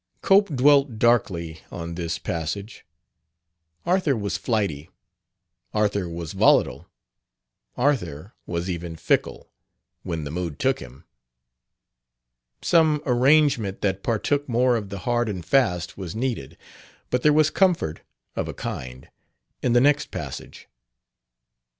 Cope dwelt darkly on this passage. Arthur was flighty; Arthur was volatile; Arthur was even fickle, when the mood took him. Some arrangement that partook more of the hard and fast was needed. But there was comfort of a kind in the next passage.